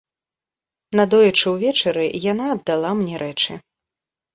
Надоечы ўвечары яна аддала мне рэчы.